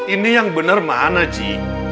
ini yang bener mah anaji